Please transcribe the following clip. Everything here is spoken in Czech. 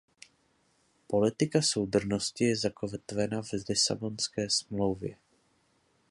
Politika soudržnosti je zakotvena v Lisabonské smlouvě.